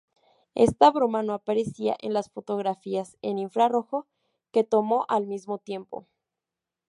Esta bruma no aparecía en las fotografías en infrarrojo que tomó al mismo tiempo.